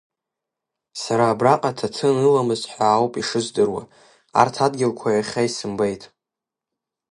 Сара абраҟа ҭаҭын ыламызт ҳәа ауп ишыздыруа, арҭ адгьылқәа иахьа исымбеит.